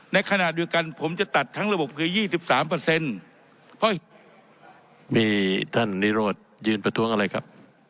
ในขณะด้วยกันผมจะตัดทั้งระบบคือยี่สิบสามเปอร์เซ็นต์มีท่านนิโรธยืนประท้วงอะไรครับ